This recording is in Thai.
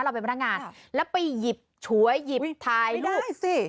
เราเป็นพนักงานแล้วไปหยิบฉวยหยิบถ่ายรูปสิ